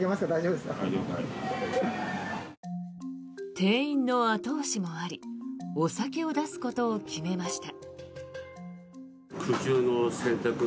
店員の後押しもありお酒を出すことを決めました。